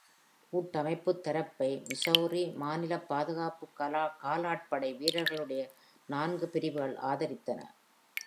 கூட்டமைப்புத் தரப்பை மிசௌரி மாநிலப் பாதுகாப்புக் காலாட்படை வீரர்களுடைய நான்கு பிரிவுகள் ஆதரித்தன.